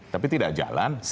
tapi tidak jalan